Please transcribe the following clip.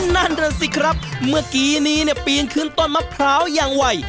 นั่นแหละสิครับเมื่อกี้นี้เนี่ยปีนขึ้นต้นมะพร้าวอย่างไว